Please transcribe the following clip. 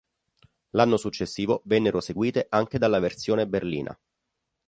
L'anno successivo vennero seguite anche dalla versione berlina.